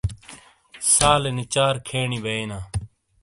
سالینی چار کھینی بیئنا۔